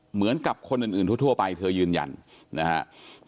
เหมือนกับคนอื่นทั่วไปเธอยืนยันนะครับ